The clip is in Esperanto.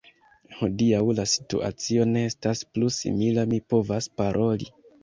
Hodiaŭ la situacio ne estas plu simila: mi povas paroli.